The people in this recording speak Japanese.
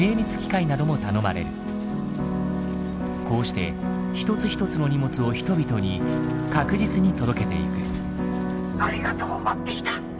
こうして一つ一つの荷物を人々に確実に届けていく。